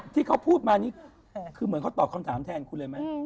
ที่เขาพูดค์มานี่เหมือนเขาตอบคำถามแท้ชัวร์นี้เลยมั้ย